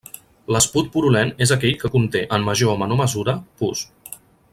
L'esput purulent és aquell que conté, en major o menor mesura, pus.